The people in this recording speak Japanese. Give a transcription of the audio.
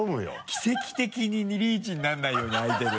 奇跡的にリーチにならないように開いてる。